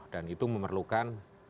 dan itu memerlukan